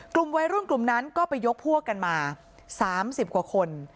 กลุ่มวัยรุ่นกลุ่มนั้นก็ไปยกพวกกันมา๓๐กว่าคน